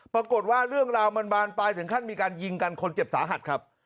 ปรากฏว่าเรื่องราวมันบานปลายถึงขั้นมีการยิงกันคนเจ็บสาหัสครับ